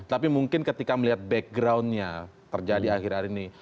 tapi mungkin ketika melihat backgroundnya terjadi akhir akhir ini